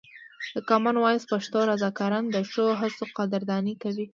د کامن وایس پښتو رضاکاران د ښو هڅو قدرداني کوي.